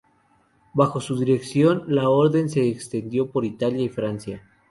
Bajo su dirección, la orden se extendió por Italia y Francia.